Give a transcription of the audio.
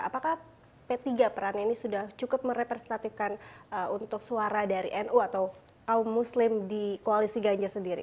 apakah p tiga peran ini sudah cukup merepresentatifkan untuk suara dari nu atau kaum muslim di koalisi ganjar sendiri